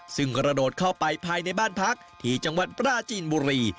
ซึ่งกระโดดเข้าไปภายในบ้านพักที่จังหวัดปราจีนบุรี